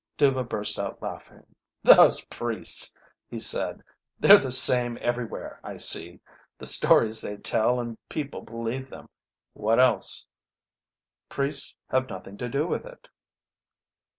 Dhuva burst out laughing. "Those priests," he said. "They're the same everywhere, I see. The stories they tell, and people believe them. What else?" "Priests have nothing to do with it."